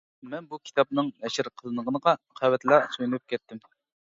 مەن بۇ كىتابنىڭ نەشر قىلىنغىنىغا قەۋەتلا سۆيۈنۈپ كەتتىم.